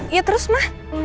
ya terus ma